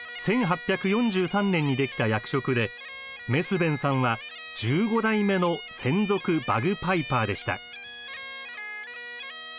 １８４３年にできた役職でメスヴェンさんは１５代目の専属バグパイパーでした。